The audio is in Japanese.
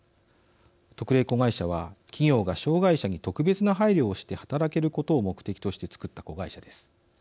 特例子会社は企業が障害者に特別な配慮をして働けることを目的として作った子会社です。